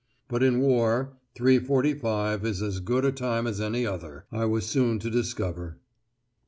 But in war three forty five is as good a time as any other, I was soon to discover.